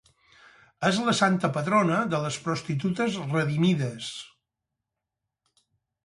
És la santa patrona de les prostitutes redimides.